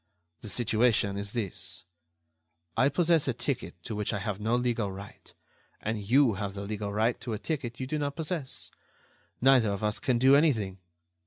The situation is this: I possess a ticket to which I have no legal right, and you have the legal right to a ticket you do not possess. Neither of us can do anything.